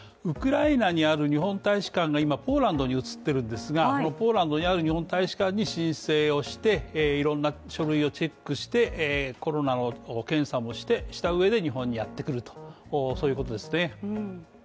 ウクライナにある日本大使館が今、ポーランドに移ってるんですがそのポーランドにある日本大使館に申請をしていろんな書類をチェックして、コロナの検査もしたうえで日本にやってくると、そういうことですね。